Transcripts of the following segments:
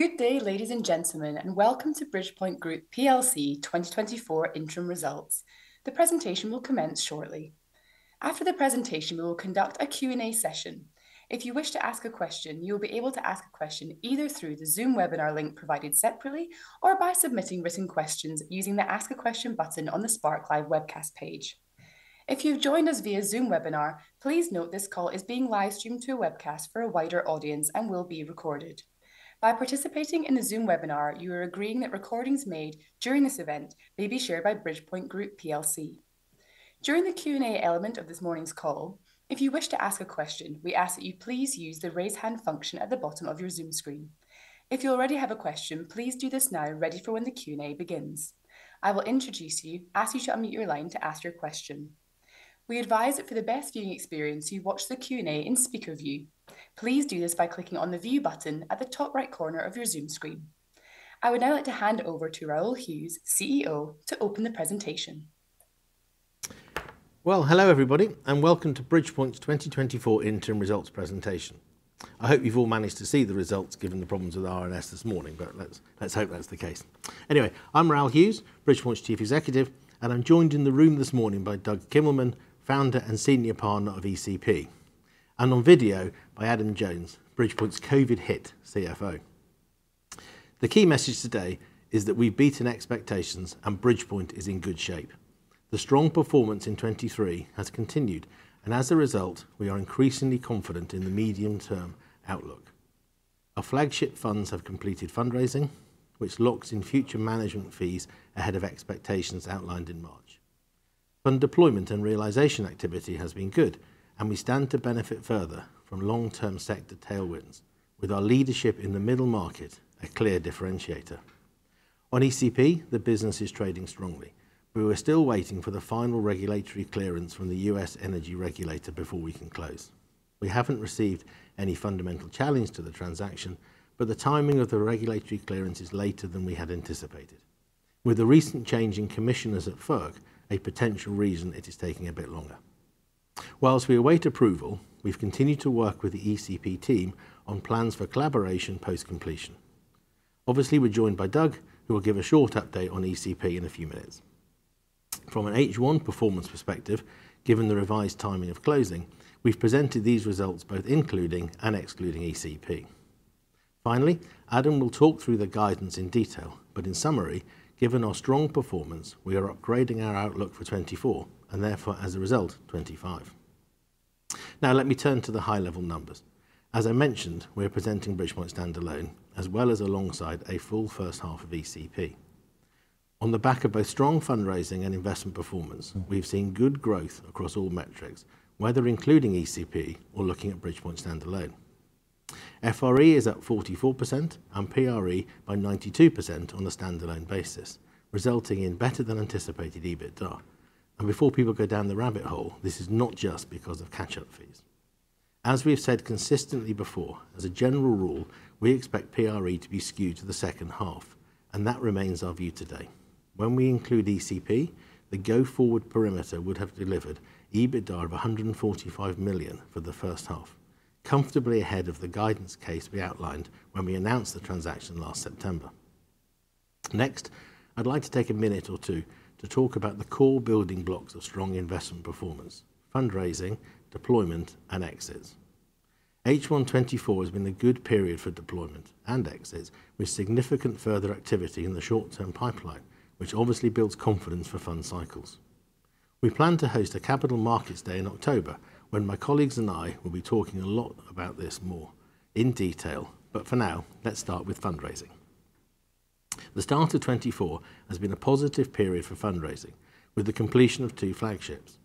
Good day, ladies and gentlemen, and welcome to Bridgepoint Group PLC 2024 interim results. The presentation will commence shortly. After the presentation, we will conduct a Q&A session. If you wish to ask a question, you will be able to ask a question either through the Zoom webinar link provided separately or by submitting written questions using the Ask a Question button on the SparkLive webcast page. If you've joined us via Zoom webinar, please note this call is being livestreamed to a webcast for a wider audience and will be recorded. By participating in the Zoom webinar, you are agreeing that recordings made during this event may be shared by Bridgepoint Group PLC. During the Q&A element of this morning's call, if you wish to ask a question, we ask that you please use the raise hand function at the bottom of your Zoom screen. If you already have a question, please do this now, ready for when the Q&A begins. I will introduce you, ask you to unmute your line to ask your question. We advise that for the best viewing experience, you watch the Q&A in speaker view. Please do this by clicking on the view button at the top right corner of your Zoom screen. I would now like to hand over to Raoul Hughes, CEO, to open the presentation. Well, hello, everybody, and welcome to Bridgepoint's 2024 interim results presentation. I hope you've all managed to see the results given the problems with RNS this morning, but let's hope that's the case. Anyway, I'm Raoul Hughes, Bridgepoint's Chief Executive, and I'm joined in the room this morning by Doug Kimmelman, founder and senior partner of ECP, and on video by Adam Jones, Bridgepoint's CFO. The key message today is that we've beaten expectations and Bridgepoint is in good shape. The strong performance in 2023 has continued, and as a result, we are increasingly confident in the medium-term outlook. Our flagship funds have completed fundraising, which locks in future management fees ahead of expectations outlined in March. Fund deployment and realization activity has been good, and we stand to benefit further from long-term sector tailwinds, with our leadership in the middle market a clear differentiator. On ECP, the business is trading strongly, but we're still waiting for the final regulatory clearance from the U.S. energy regulator before we can close. We haven't received any fundamental challenge to the transaction, but the timing of the regulatory clearance is later than we had anticipated. With the recent change in commissioners at FERC, a potential reason it is taking a bit longer. Whilst we await approval, we've continued to work with the ECP team on plans for collaboration post-completion. Obviously, we're joined by Doug, who will give a short update on ECP in a few minutes. From an H1 performance perspective, given the revised timing of closing, we've presented these results both including and excluding ECP. Finally, Adam will talk through the guidance in detail, but in summary, given our strong performance, we are upgrading our outlook for 2024 and therefore, as a result, 2025. Now, let me turn to the high-level numbers. As I mentioned, we're presenting Bridgepoint standalone as well as alongside a full first half of ECP. On the back of both strong fundraising and investment performance, we've seen good growth across all metrics, whether including ECP or looking at Bridgepoint standalone. FRE is up 44% and PRE by 92% on a standalone basis, resulting in better-than-anticipated EBITDA. And before people go down the rabbit hole, this is not just because of catch-up fees. As we've said consistently before, as a general rule, we expect PRE to be skewed to the second half, and that remains our view today. When we include ECP, the go-forward perimeter would have delivered EBITDA of $145 million for the first half, comfortably ahead of the guidance case we outlined when we announced the transaction last September. Next, I'd like to take a minute or two to talk about the core building blocks of strong investment performance: fundraising, deployment, and exits. H1 2024 has been a good period for deployment and exits, with significant further activity in the short-term pipeline, which obviously builds confidence for fund cycles. We plan to host a Capital Markets Day in October when my colleagues and I will be talking a lot about this more in detail, but for now, let's start with fundraising. The start of 2024 has been a positive period for fundraising, with the completion of two flagships: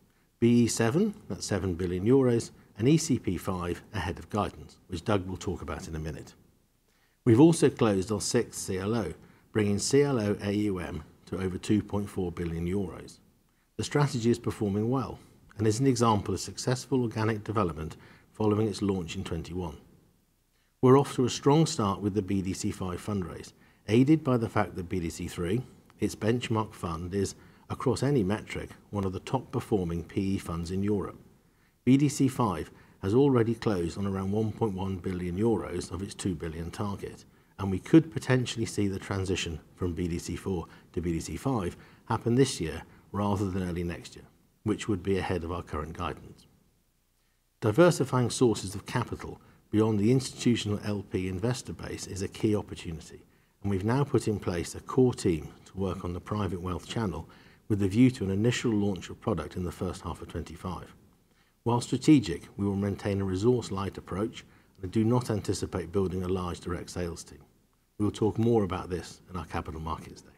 BE7 at 7 billion euros and ECP5 ahead of guidance, which Doug will talk about in a minute. We've also closed our sixth CLO, bringing CLO AUM to over 2.4 billion euros. The strategy is performing well and is an example of successful organic development following its launch in 2021. We're off to a strong start with the BDC V fundraise, aided by the fact that BDC III, its benchmark fund, is across any metric one of the top-performing PE funds in Europe. BDC V has already closed on around 1.1 billion euros of its 2 billion target, and we could potentially see the transition from BDC IV to BDC V happen this year rather than early next year, which would be ahead of our current guidance. Diversifying sources of capital beyond the institutional LP investor base is a key opportunity, and we've now put in place a core team to work on the private wealth channel with a view to an initial launch of product in the first half of 2025. While strategic, we will maintain a resource-light approach and do not anticipate building a large direct sales team. We'll talk more about this in our Capital Markets Day.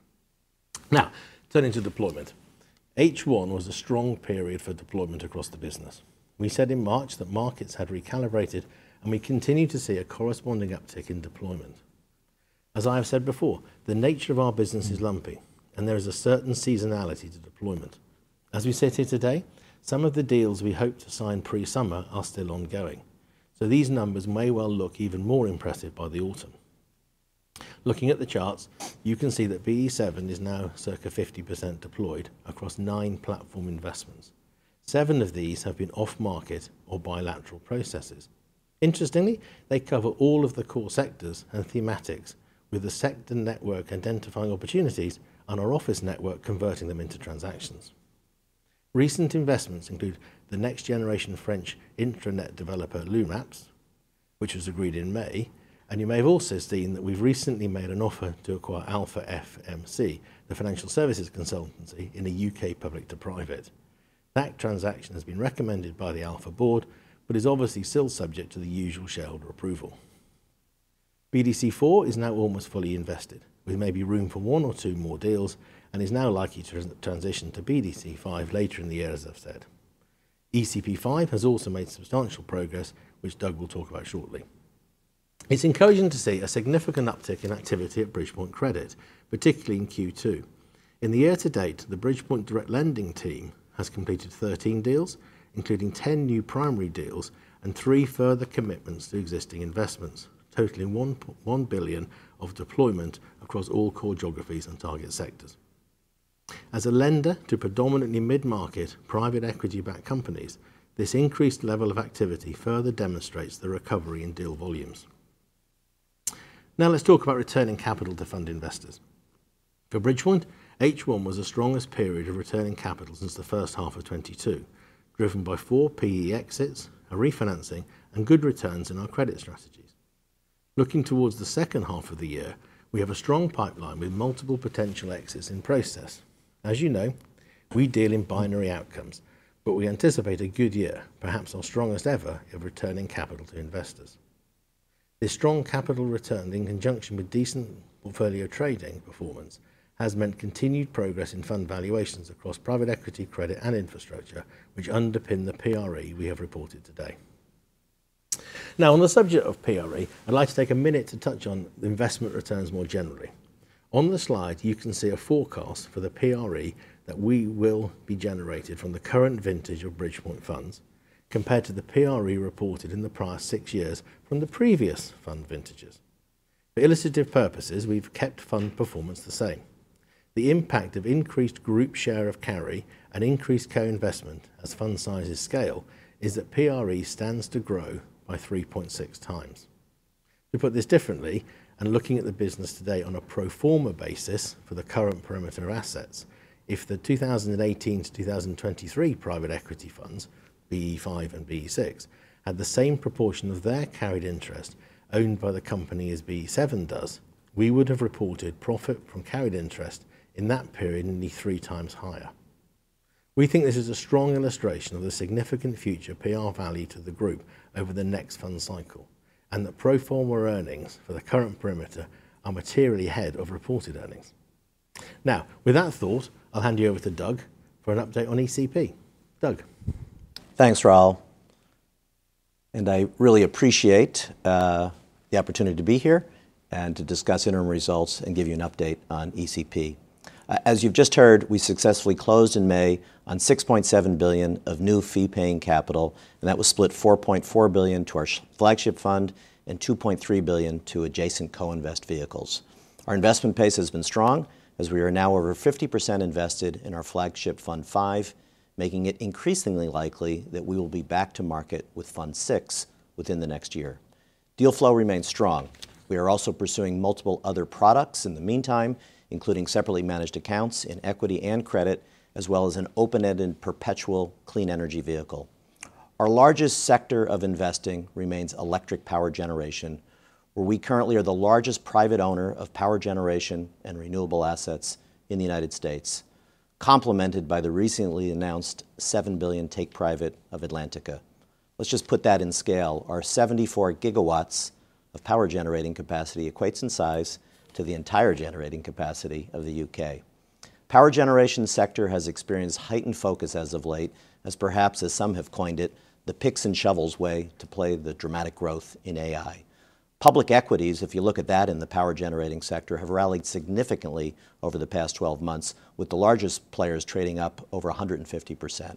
Now, turning to deployment, H1 was a strong period for deployment across the business. We said in March that markets had recalibrated, and we continue to see a corresponding uptick in deployment. As I have said before, the nature of our business is lumpy, and there is a certain seasonality to deployment. As we sit here today, some of the deals we hope to sign pre-summer are still ongoing, so these numbers may well look even more impressive by the autumn. Looking at the charts, you can see that BE VII is now circa 50% deployed across nine platform investments. Seven of these have been off-market or bilateral processes. Interestingly, they cover all of the core sectors and thematics, with the sector network identifying opportunities and our office network converting them into transactions. Recent investments include the next-generation French intranet developer, LumApps, which was agreed in May, and you may have also seen that we've recently made an offer to acquire Alpha FMC, the financial services consultancy, in a U.K. public-to-private. That transaction has been recommended by the Alpha board but is obviously still subject to the usual shareholder approval. BDC4 is now almost fully invested, with maybe room for one or two more deals, and is now likely to transition to BDC V later in the year, as I've said. ECP5 has also made substantial progress, which Doug will talk about shortly. It's encouraging to see a significant uptick in activity at Bridgepoint Credit, particularly in Q2. In the year to date, the Bridgepoint direct lending team has completed 13 deals, including 10 new primary deals and three further commitments to existing investments, totaling 1 billion of deployment across all core geographies and target sectors. As a lender to predominantly mid-market private equity-backed companies, this increased level of activity further demonstrates the recovery in deal volumes. Now, let's talk about returning capital to fund investors. For Bridgepoint, H1 was the strongest period of returning capital since the first half of 2022, driven by four PE exits, a refinancing, and good returns in our credit strategies. Looking towards the second half of the year, we have a strong pipeline with multiple potential exits in process. As you know, we deal in binary outcomes, but we anticipate a good year, perhaps our strongest ever, of returning capital to investors. This strong capital return in conjunction with decent portfolio trading performance has meant continued progress in fund valuations across private equity, credit, and infrastructure, which underpin the PRE we have reported today. Now, on the subject of PRE, I'd like to take a minute to touch on investment returns more generally. On the slide, you can see a forecast for the PRE that will be generated from the current vintage of Bridgepoint funds compared to the PRE reported in the prior six years from the previous fund vintages. For illustrative purposes, we've kept fund performance the same. The impact of increased group share of carry and increased co-investment as fund sizes scale is that PRE stands to grow by 3.6 times. To put this differently, and looking at the business today on a pro forma basis for the current perimeter assets, if the 2018 to 2023 private equity funds, BE5 and BE6, had the same proportion of their carried interest owned by the company as BE VII does, we would have reported profit from carried interest in that period nearly three times higher. We think this is a strong illustration of the significant future PRE value to the group over the next fund cycle and that pro forma earnings for the current perimeter are materially ahead of reported earnings. Now, with that thought, I'll hand you over to Doug for an update on ECP. Doug. Thanks, Raoul. I really appreciate the opportunity to be here and to discuss interim results and give you an update on ECP. As you've just heard, we successfully closed in May on $6.7 billion of new fee-paying capital, and that was split $4.4 billion to our flagship fund and $2.3 billion to adjacent co-invest vehicles. Our investment pace has been strong as we are now over 50% invested in our flagship Fund 5, making it increasingly likely that we will be back to market with Fund 6 within the next year. Deal flow remains strong. We are also pursuing multiple other products in the meantime, including separately managed accounts in equity and credit, as well as an open-ended perpetual clean energy vehicle. Our largest sector of investing remains electric power generation, where we currently are the largest private owner of power generation and renewable assets in the United States, complemented by the recently announced $7 billion take-private of Atlantica. Let's just put that in scale. Our 74 GW of power generating capacity equates in size to the entire generating capacity of the U.K. Power generation sector has experienced heightened focus as of late, as perhaps, as some have coined it, the picks and shovels way to play the dramatic growth in AI. Public equities, if you look at that in the power generating sector, have rallied significantly over the past 12 months, with the largest players trading up over 150%.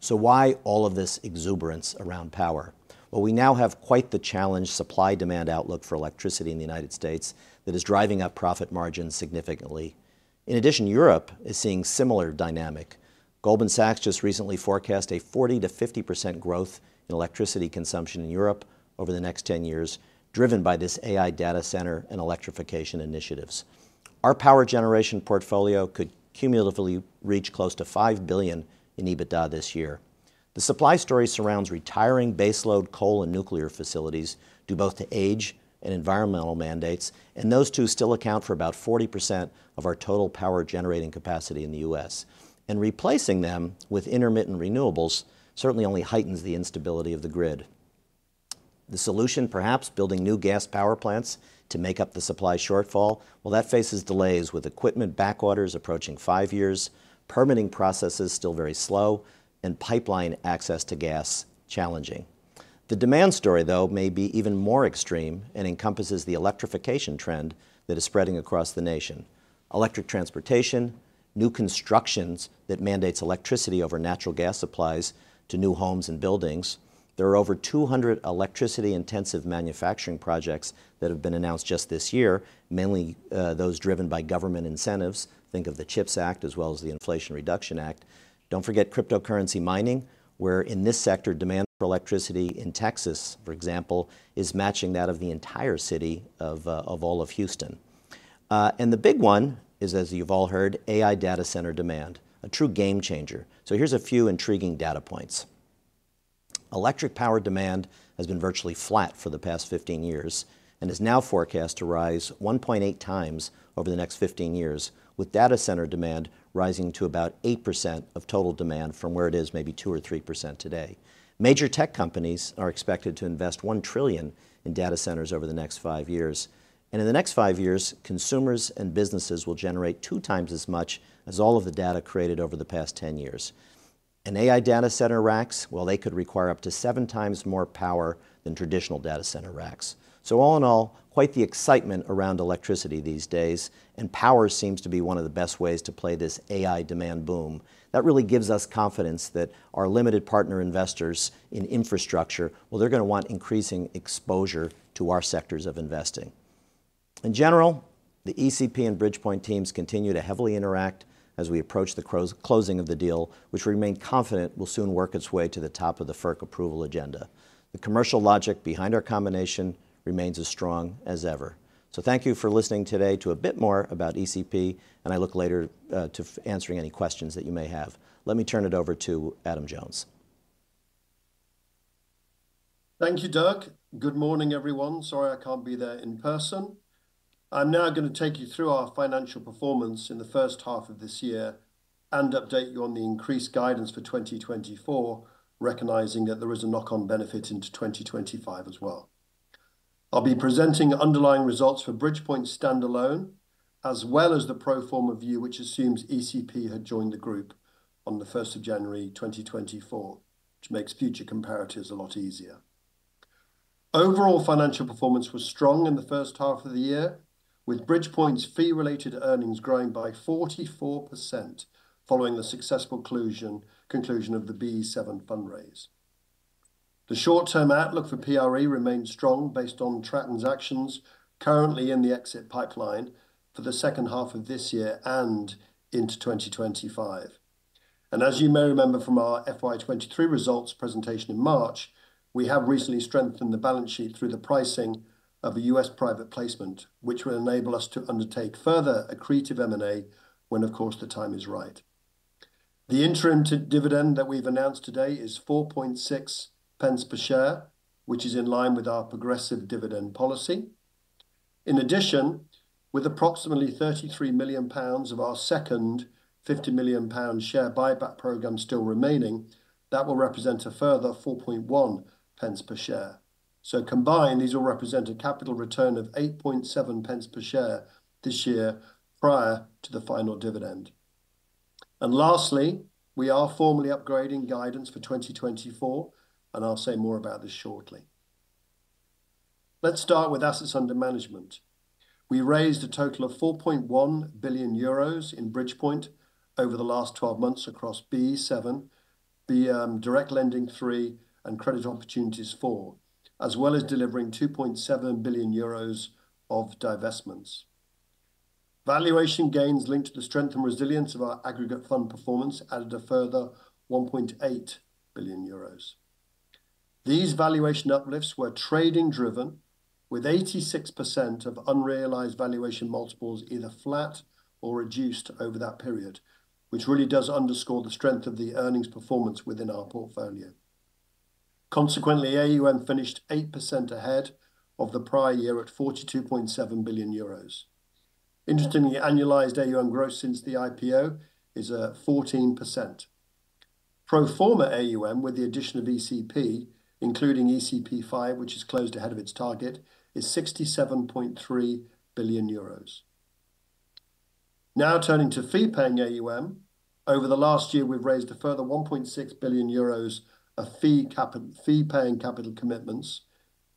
So why all of this exuberance around power? Well, we now have quite the challenged supply-demand outlook for electricity in the United States that is driving up profit margins significantly. In addition, Europe is seeing a similar dynamic. Goldman Sachs just recently forecast a 40%-50% growth in electricity consumption in Europe over the next 10 years, driven by this AI data center and electrification initiatives. Our power generation portfolio could cumulatively reach close to $5 billion in EBITDA this year. The supply story surrounds retiring baseload coal and nuclear facilities due both to age and environmental mandates, and those two still account for about 40% of our total power generating capacity in the U.S. Replacing them with intermittent renewables certainly only heightens the instability of the grid. The solution, perhaps, building new gas power plants to make up the supply shortfall, well, that faces delays with equipment backlogs approaching 5 years, permitting processes still very slow, and pipeline access to gas challenging. The demand story, though, may be even more extreme and encompasses the electrification trend that is spreading across the nation: electric transportation, new constructions that mandate electricity over natural gas supplies to new homes and buildings. There are over 200 electricity-intensive manufacturing projects that have been announced just this year, mainly those driven by government incentives. Think of the CHIPS Act as well as the Inflation Reduction Act. Don't forget cryptocurrency mining, where in this sector, demand for electricity in Texas, for example, is matching that of the entire city of all of Houston. And the big one is, as you've all heard, AI data center demand, a true game changer. So here's a few intriguing data points. Electric power demand has been virtually flat for the past 15 years and is now forecast to rise 1.8 times over the next 15 years, with data center demand rising to about 8% of total demand from where it is maybe 2% or 3% today. Major tech companies are expected to invest $1 trillion in data centers over the next five years. In the next 5 years, consumers and businesses will generate two times as much as all of the data created over the past 10 years. An AI data center rack, well, they could require up to seven times more power than traditional data center racks. So all in all, quite the excitement around electricity these days, and power seems to be one of the best ways to play this AI demand boom. That really gives us confidence that our limited partner investors in infrastructure, well, they're going to want increasing exposure to our sectors of investing. In general, the ECP and Bridgepoint teams continue to heavily interact as we approach the closing of the deal, which we remain confident will soon work its way to the top of the FERC approval agenda. The commercial logic behind our combination remains as strong as ever. So thank you for listening today to a bit more about ECP, and I look forward to answering any questions that you may have. Let me turn it over to Adam Jones. Thank you, Doug. Good morning, everyone. Sorry I can't be there in person. I'm now going to take you through our financial performance in the first half of this year and update you on the increased guidance for 2024, recognizing that there is a knock-on benefit into 2025 as well. I'll be presenting underlying results for Bridgepoint standalone as well as the pro forma view, which assumes ECP had joined the group on the 1st of January 2024, which makes future comparatives a lot easier. Overall financial performance was strong in the first half of the year, with Bridgepoint's fee-related earnings growing by 44% following the successful conclusion of the BE VII fundraise. The short-term outlook for PRE remains strong based on transactions currently in the exit pipeline for the second half of this year and into 2025. As you may remember from our FY23 results presentation in March, we have recently strengthened the balance sheet through the pricing of a US private placement, which will enable us to undertake further accretive M&A when, of course, the time is right. The interim dividend that we've announced today is 0.046 per share, which is in line with our progressive dividend policy. In addition, with approximately 33 million pounds of our second 50 million pound share buyback program still remaining, that will represent a further 0.041 per share. So combined, these will represent a capital return of 0.087 per share this year prior to the final dividend. And lastly, we are formally upgrading guidance for 2024, and I'll say more about this shortly. Let's start with assets under management. We raised a total of 4.1 billion euros in Bridgepoint over the last 12 months across BE VII, Direct Lending 3, and Credit Opportunities 4, as well as delivering 2.7 billion euros of divestments. Valuation gains linked to the strength and resilience of our aggregate fund performance added a further 1.8 billion euros. These valuation uplifts were trading-driven, with 86% of unrealized valuation multiples either flat or reduced over that period, which really does underscore the strength of the earnings performance within our portfolio. Consequently, AUM finished 8% ahead of the prior year at 42.7 billion euros. Interestingly, annualized AUM growth since the IPO is 14%. Pro forma AUM, with the addition of ECP, including ECP5, which has closed ahead of its target, is 67.3 billion euros. Now turning to fee-paying AUM, over the last year, we've raised a further 1.6 billion euros of fee-paying capital commitments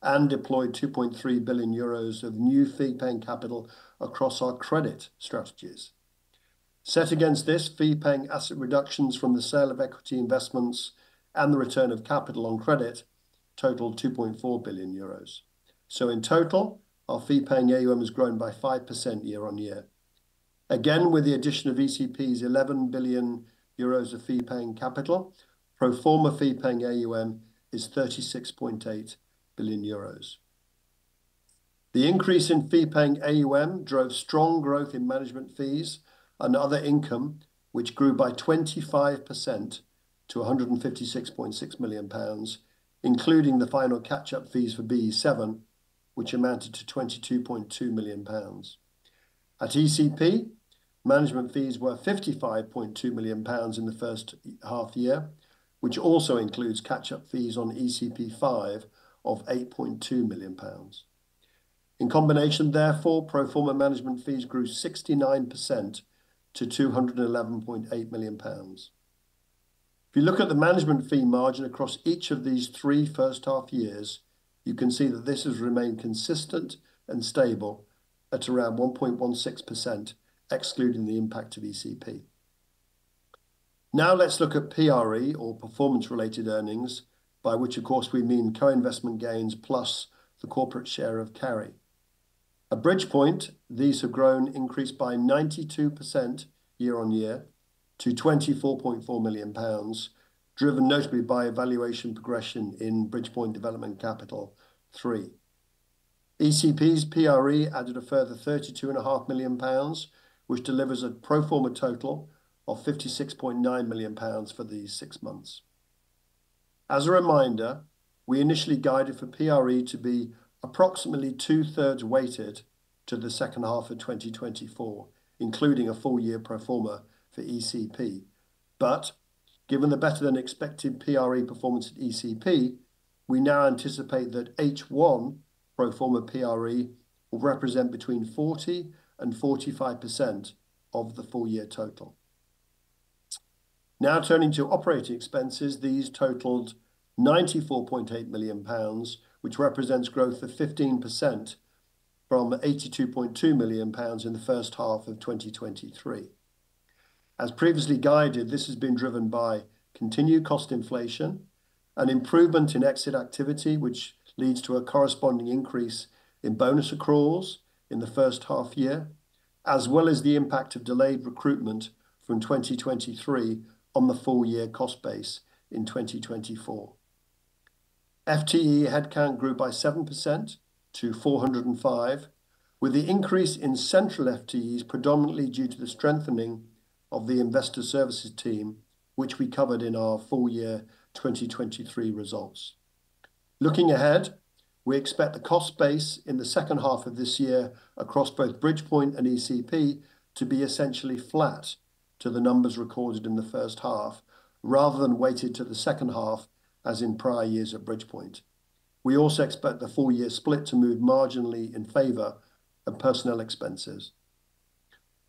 and deployed 2.3 billion euros of new fee-paying capital across our credit strategies. Set against this, fee-paying asset reductions from the sale of equity investments and the return of capital on credit totaled 2.4 billion euros. So in total, our fee-paying AUM has grown by 5% year-over-year. Again, with the addition of ECP's 11 billion euros of fee-paying capital, proforma fee-paying AUM is 36.8 billion euros. The increase in fee-paying AUM drove strong growth in management fees and other income, which grew by 25% to 156.6 million pounds, including the final catch-up fees for BE VII, which amounted to 22.2 million pounds. At ECP, management fees were 55.2 million pounds in the first half year, which also includes catch-up fees on ECP5 of 8.2 million pounds. In combination, therefore, proforma management fees grew 69% to 211.8 million pounds. If you look at the management fee margin across each of these three first half years, you can see that this has remained consistent and stable at around 1.16%, excluding the impact of ECP. Now let's look at PRE, or performance-related earnings, by which, of course, we mean co-investment gains plus the corporate share of carry. At Bridgepoint, these have increased by 92% year-on-year to 24.4 million pounds, driven notably by valuation progression in Bridgepoint Development Capital 3. ECP's PRE added a further 32.5 million pounds, which delivers a pro forma total of 56.9 million pounds for these six months. As a reminder, we initially guided for PRE to be approximately two-thirds weighted to the second half of 2024, including a full-year pro forma for ECP. But given the better-than-expected PRE performance at ECP, we now anticipate that H1 pro forma PRE will represent between 40% and 45% of the full-year total. Now turning to operating expenses, these totaled 94.8 million pounds, which represents growth of 15% from 82.2 million pounds in the first half of 2023. As previously guided, this has been driven by continued cost inflation, an improvement in exit activity, which leads to a corresponding increase in bonus accruals in the first half year, as well as the impact of delayed recruitment from 2023 on the full-year cost base in 2024. FTE headcount grew by 7% to 405, with the increase in central FTEs predominantly due to the strengthening of the investor services team, which we covered in our full-year 2023 results. Looking ahead, we expect the cost base in the second half of this year across both Bridgepoint and ECP to be essentially flat to the numbers recorded in the first half, rather than weighted to the second half as in prior years at Bridgepoint. We also expect the full-year split to move marginally in favor of personnel expenses.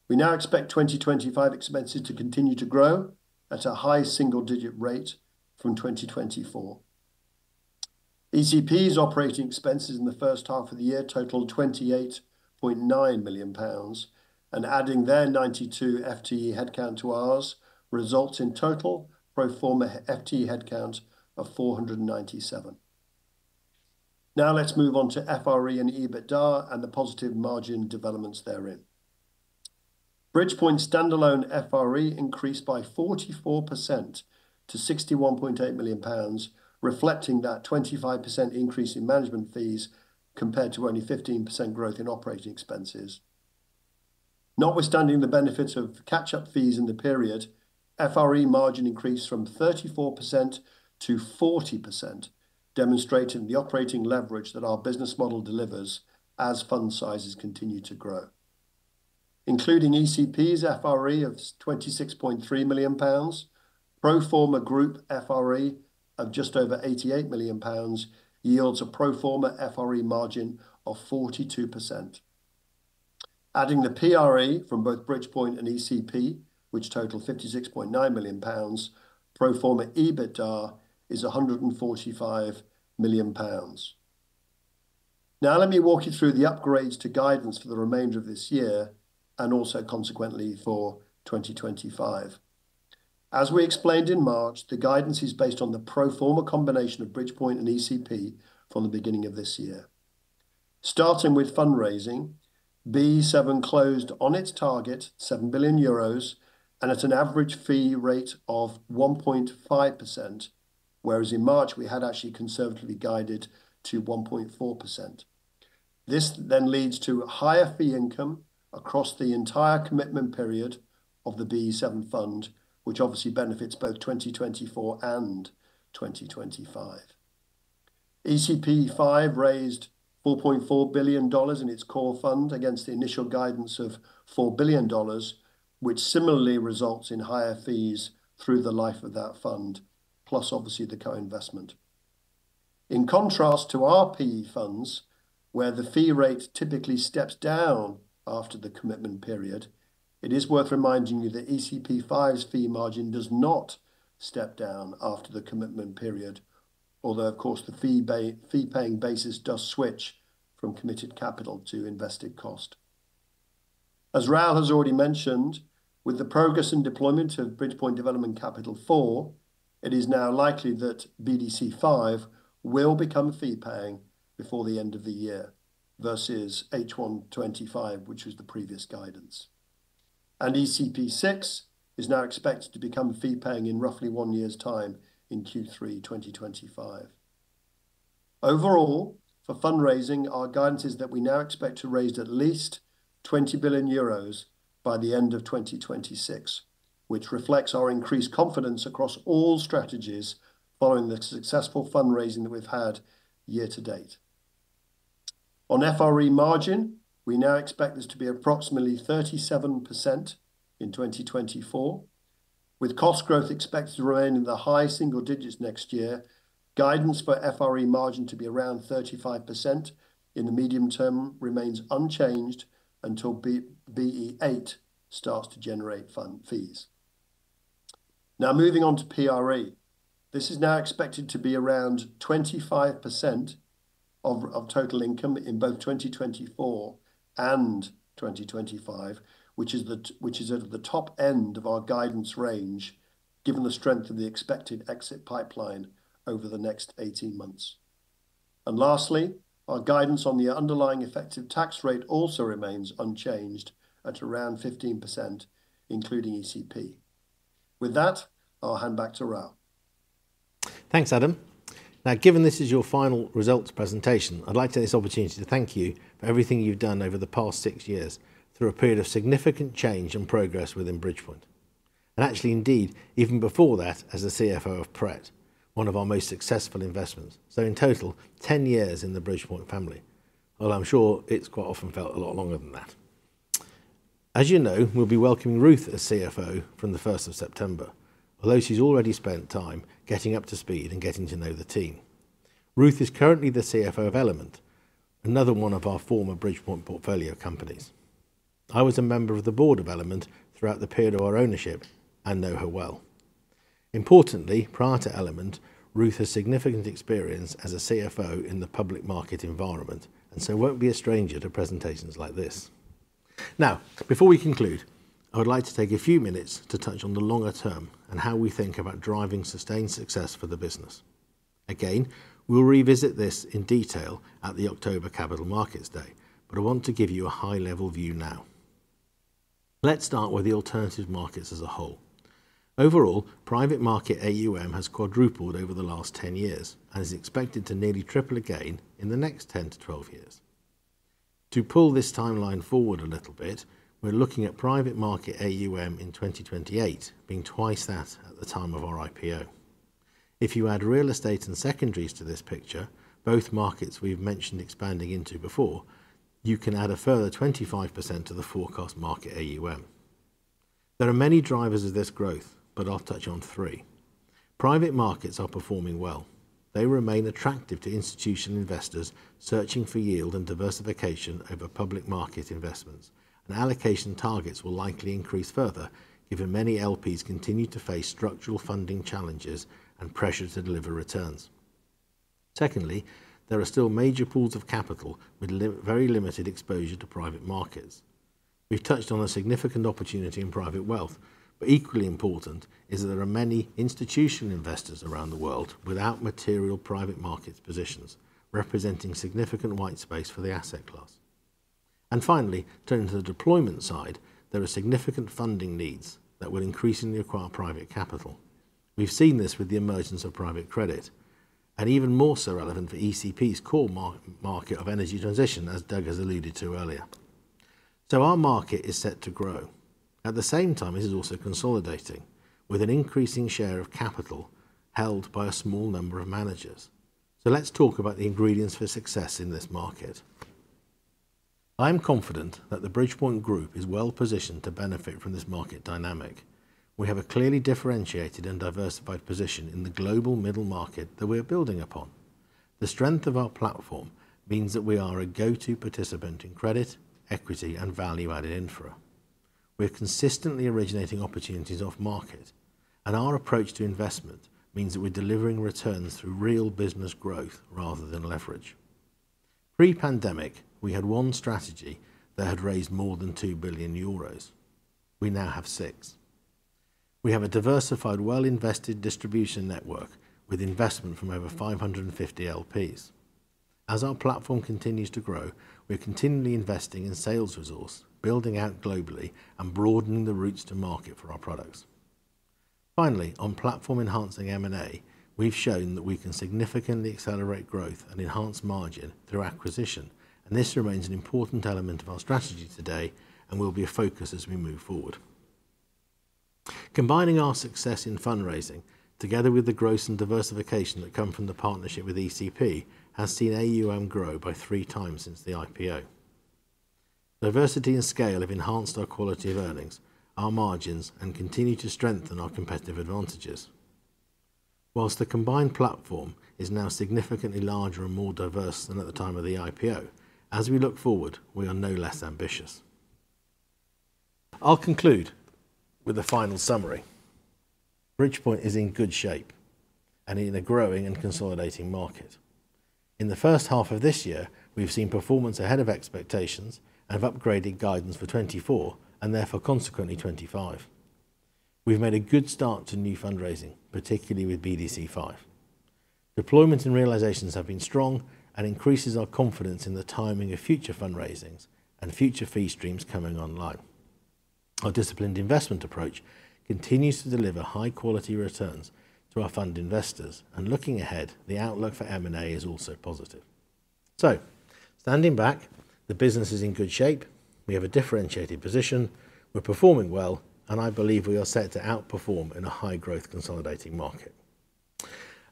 We now expect 2025 expenses to continue to grow at a high single-digit rate from 2024. ECP's operating expenses in the first half of the year totaled 28.9 million pounds, and adding their 92 FTE headcount to ours results in total pro forma FTE headcount of 497. Now let's move on to FRE and EBITDA and the positive margin developments therein. Bridgepoint's standalone FRE increased by 44% to 61.8 million pounds, reflecting that 25% increase in management fees compared to only 15% growth in operating expenses. Notwithstanding the benefits of catch-up fees in the period, FRE margin increased from 34% to 40%, demonstrating the operating leverage that our business model delivers as fund sizes continue to grow. Including ECP's FRE of 26.3 million pounds, pro forma Group FRE of just over 88 million pounds yields a pro forma FRE margin of 42%. Adding the PRE from both Bridgepoint and ECP, which totaled 56.9 million pounds, pro forma EBITDA is 145 million pounds. Now let me walk you through the upgrades to guidance for the remainder of this year and also consequently for 2025. As we explained in March, the guidance is based on the pro forma combination of Bridgepoint and ECP from the beginning of this year. Starting with fundraising, BE VII closed on its target, 7 billion euros, and at an average fee rate of 1.5%, whereas in March we had actually conservatively guided to 1.4%. This then leads to higher fee income across the entire commitment period of the BE VII fund, which obviously benefits both 2024 and 2025. ECP5 raised $4.4 billion in its core fund against the initial guidance of $4 billion, which similarly results in higher fees through the life of that fund, plus obviously the co-investment. In contrast to our PE funds, where the fee rate typically steps down after the commitment period, it is worth reminding you that ECP5's fee margin does not step down after the commitment period, although, of course, the fee paying basis does switch from committed capital to invested cost. As Raoul has already mentioned, with the progress and deployment of Bridgepoint Development Capital 4, it is now likely that BDC will become fee-paying before the end of the year versus H125, which was the previous guidance. ECP6 is now expected to become fee-paying in roughly one year's time in Q3 2025. Overall, for fundraising, our guidance is that we now expect to raise at least 20 billion euros by the end of 2026, which reflects our increased confidence across all strategies following the successful fundraising that we've had year to date. On FRE margin, we now expect this to be approximately 37% in 2024, with cost growth expected to remain in the high single digits next year. Guidance for FRE margin to be around 35% in the medium term remains unchanged until BE8 starts to generate fund fees. Now moving on to PRE, this is now expected to be around 25% of total income in both 2024 and 2025, which is at the top end of our guidance range given the strength of the expected exit pipeline over the next 18 months. And lastly, our guidance on the underlying effective tax rate also remains unchanged at around 15%, including ECP. With that, I'll hand back to Raoul. Thanks, Adam. Now, given this is your final results presentation, I'd like to take this opportunity to thank you for everything you've done over the past six years through a period of significant change and progress within Bridgepoint. Actually, indeed, even before that as the CFO of Pret, one of our most successful investments. In total, 10 years in the Bridgepoint family, although I'm sure it's quite often felt a lot longer than that. As you know, we'll be welcoming Ruth as CFO from the 1st of September, although she's already spent time getting up to speed and getting to know the team. Ruth is currently the CFO of Element, another one of our former Bridgepoint portfolio companies. I was a member of the board of Element throughout the period of our ownership and know her well. Importantly, prior to Element, Ruth has significant experience as a CFO in the public market environment, and so won't be a stranger to presentations like this. Now, before we conclude, I would like to take a few minutes to touch on the longer term and how we think about driving sustained success for the business. Again, we'll revisit this in detail at the October Capital Markets Day, but I want to give you a high-level view now. Let's start with the alternative markets as a whole. Overall, private market AUM has quadrupled over the last 10 years and is expected to nearly triple again in the next 10-12 years. To pull this timeline forward a little bit, we're looking at private market AUM in 2028 being twice that at the time of our IPO. If you add real estate and secondaries to this picture, both markets we've mentioned expanding into before, you can add a further 25% to the forecast market AUM. There are many drivers of this growth, but I'll touch on three. Private markets are performing well. They remain attractive to institutional investors searching for yield and diversification over public market investments, and allocation targets will likely increase further given many LPs continue to face structural funding challenges and pressure to deliver returns. Secondly, there are still major pools of capital with very limited exposure to private markets. We've touched on a significant opportunity in private wealth, but equally important is that there are many institutional investors around the world without material private markets positions, representing significant white space for the asset class. Finally, turning to the deployment side, there are significant funding needs that will increasingly require private capital. We've seen this with the emergence of private credit and even more so relevant for ECP's core market of energy transition, as Doug has alluded to earlier. So our market is set to grow. At the same time, this is also consolidating with an increasing share of capital held by a small number of managers. So let's talk about the ingredients for success in this market. I am confident that the Bridgepoint Group is well positioned to benefit from this market dynamic. We have a clearly differentiated and diversified position in the global middle market that we are building upon. The strength of our platform means that we are a go-to participant in credit, equity, and value-added infra. We're consistently originating opportunities off market, and our approach to investment means that we're delivering returns through real business growth rather than leverage. Pre-pandemic, we had one strategy that had raised more than 2 billion euros. We now have six. We have a diversified, well-invested distribution network with investment from over 550 LPs. As our platform continues to grow, we're continually investing in sales resource, building out globally, and broadening the routes to market for our products. Finally, on platform-enhancing M&A, we've shown that we can significantly accelerate growth and enhance margin through acquisition, and this remains an important element of our strategy today and will be a focus as we move forward. Combining our success in fundraising together with the growth and diversification that come from the partnership with ECP has seen AUM grow by three times since the IPO. Diversity and scale have enhanced our quality of earnings, our margins, and continue to strengthen our competitive advantages. While the combined platform is now significantly larger and more diverse than at the time of the IPO, as we look forward, we are no less ambitious. I'll conclude with a final summary. Bridgepoint is in good shape and in a growing and consolidating market. In the first half of this year, we've seen performance ahead of expectations and have upgraded guidance for 2024 and therefore consequently 2025. We've made a good start to new fundraising, particularly with BDC V. Deployments and realizations have been strong and increases our confidence in the timing of future fundraisings and future fee streams coming online. Our disciplined investment approach continues to deliver high-quality returns to our fund investors, and looking ahead, the outlook for M&A is also positive. So, standing back, the business is in good shape. We have a differentiated position. We're performing well, and I believe we are set to outperform in a high-growth consolidating market.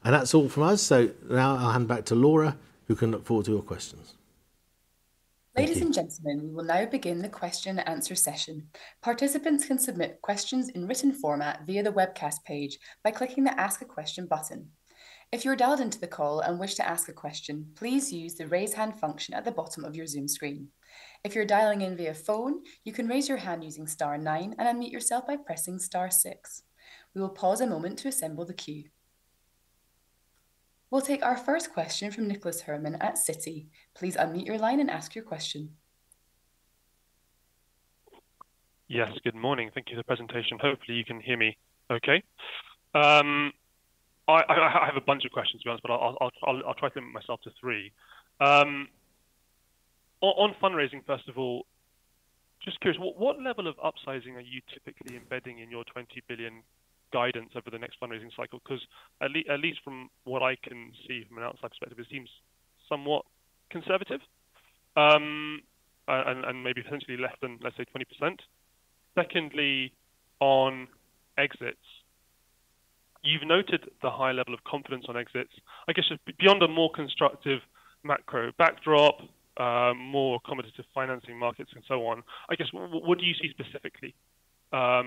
That's all from us. Now I'll hand back to Laura, who can look forward to your questions. Ladies and gentlemen, we will now begin the question-and-answer session. Participants can submit questions in written format via the webcast page by clicking the Ask a Question button. If you're dialed into the call and wish to ask a question, please use the raise hand function at the bottom of your Zoom screen. If you're dialing in via phone, you can raise your hand using star nine and unmute yourself by pressing star six. We will pause a moment to assemble the queue. We'll take our first question from Nicholas Herman at Citi. Please unmute your line and ask your question. Yes, good morning. Thank you for the presentation. Hopefully, you can hear me okay. I have a bunch of questions, to be honest, but I'll try to limit myself to three. On fundraising, first of all, just curious, what level of upsizing are you typically embedding in your $20 billion guidance over the next fundraising cycle? Because at least from what I can see from an outside perspective, it seems somewhat conservative and maybe potentially less than, let's say, 20%. Secondly, on exits, you've noted the high level of confidence on exits, I guess just beyond a more constructive macro backdrop, more accommodative financing markets, and so on. I guess, what do you see specifically as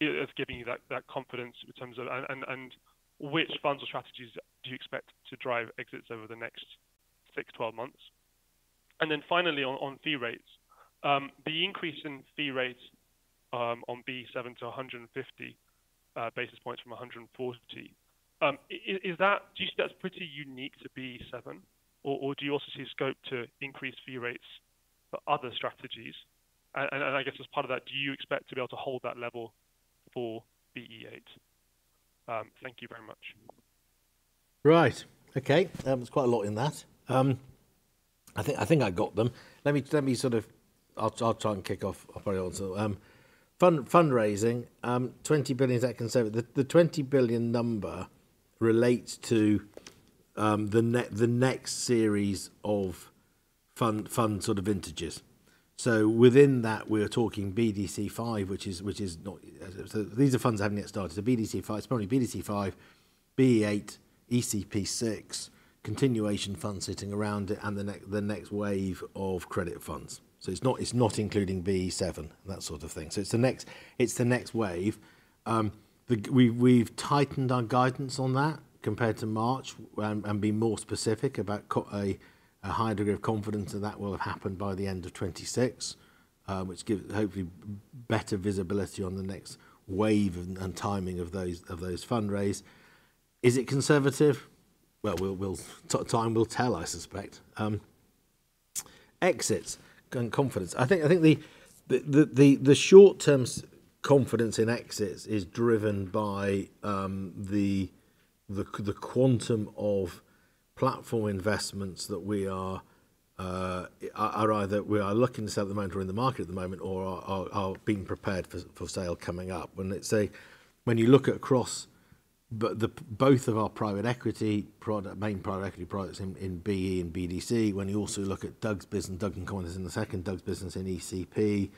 giving you that confidence in terms of, and which funds or strategies do you expect to drive exits over the next six to 12 months? Then finally, on fee rates, the increase in fee rates on BE VII to 150 basis points from 140, do you see that's pretty unique to BE VII, or do you also see scope to increase fee rates for other strategies? And I guess as part of that, do you expect to be able to hold that level for BE8? Thank you very much. Right. Okay. There's quite a lot in that. I think I got them. Let me sort of, I'll try and kick off very well. Fundraising, $20 billion, the $20 billion number relates to the next series of fund sort of vintages. So within that, we're talking BDC V, which is not, so these are funds having to get started. So BDC V, it's probably BDC V, BE8, ECP6, continuation funds sitting around it, and the next wave of credit funds. So it's not including BE VII and that sort of thing. So it's the next wave. We've tightened our guidance on that compared to March and been more specific about a higher degree of confidence that that will have happened by the end of 2026, which gives hopefully better visibility on the next wave and timing of those fundraise. Is it conservative? Well, time will tell, I suspect. Exits and confidence. I think the short-term confidence in exits is driven by the quantum of platform investments that we are either looking to sell at the moment or in the market at the moment or are being prepared for sale coming up. When you look across both of our private equity products, main private equity products in BE and BDC, when you also look at Doug's business in ECP,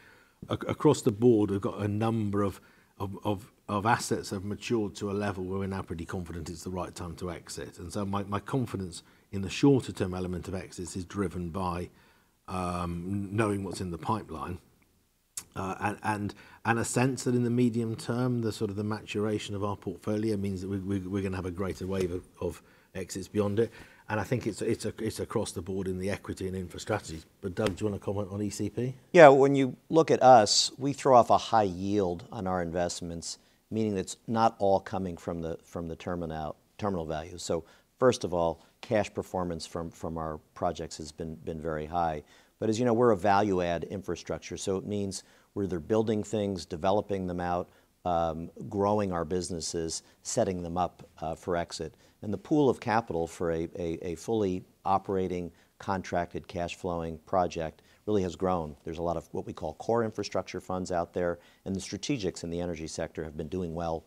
across the board, we've got a number of assets have matured to a level where we're now pretty confident it's the right time to exit. And so my confidence in the shorter-term element of exits is driven by knowing what's in the pipeline and a sense that in the medium term, the sort of maturation of our portfolio means that we're going to have a greater wave of exits beyond it. And I think it's across the board in the equity and infrastructure. But Doug, do you want to comment on ECP? Yeah. When you look at us, we throw off a high yield on our investments, meaning that's not all coming from the terminal value. So first of all, cash performance from our projects has been very high. But as you know, we're a value-add infrastructure. So it means we're either building things, developing them out, growing our businesses, setting them up for exit. And the pool of capital for a fully operating contracted cash-flowing project really has grown. There's a lot of what we call core infrastructure funds out there, and the strategics in the energy sector have been doing well